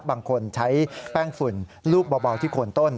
บางคนใช้แป้งฝุ่นลูกเบาที่โคนต้น